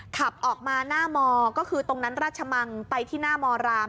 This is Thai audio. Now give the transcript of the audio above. ขับออกมาหน้ามก็คือตรงนั้นราชมังไปที่หน้ามราม